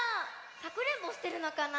かくれんぼしてるのかな？